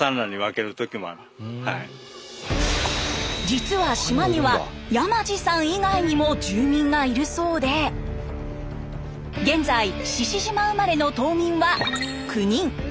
実は島には山地さん以外にも住民がいるそうで現在志々島生まれの島民は９人。